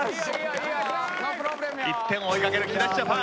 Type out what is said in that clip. １点を追いかける木梨ジャパン。